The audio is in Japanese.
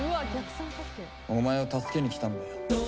お前を助けに来たんだよ。